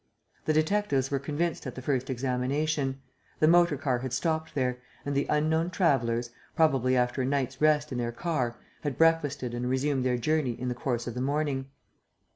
The detectives were convinced at the first examination. The motor car had stopped there; and the unknown travellers, probably after a night's rest in their car, had breakfasted and resumed their journey in the course of the morning.